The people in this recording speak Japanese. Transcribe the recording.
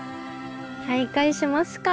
再開しますか！